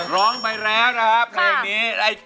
ร้องไปแล้วนะครับเพลงนี้